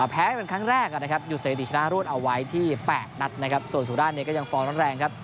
แพ้เป็นครั้งแรกนะครับหยุดสถิติชนะรวดเอาไว้ที่๘นัดนะครับส่วนสุราชเนี่ยก็ยังฟอร์มร้อนแรงครับ